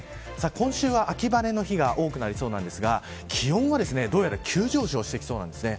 今週は、秋晴れの日が多くなりそうなんですが気温はどうやら急上昇してきそうです。